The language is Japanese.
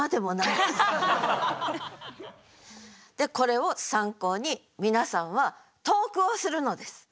でこれを参考に皆さんは投句をするのです！